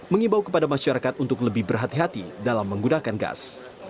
mengimbau kepada masyarakat untuk lebih berhati hati dalam menggunakan gas